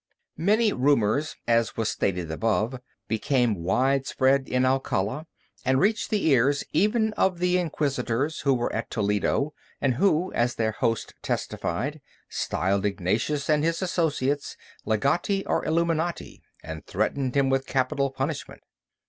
Many rumors, as was stated above, became widespread in Alcala, and reached the ears even of the Inquisitors who were at Toledo, and who, as their host testified, styled Ignatius and his associates, Legati or Illuminati, and threatened him with capital punishment.